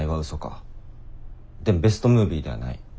でもベストムービーではない。